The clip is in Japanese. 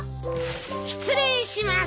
失礼します！